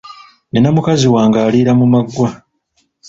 Nina mukazi wange aliira mu maggwa